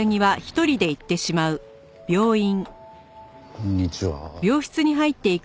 こんにちは。